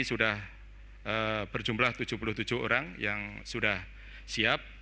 sudah berjumlah tujuh puluh tujuh orang yang sudah siap